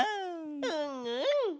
うんうん。